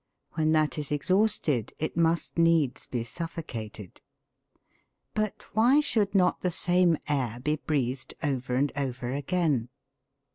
When that is exhausted it must needs be suffocated. But why should not the same air be breathed over and over again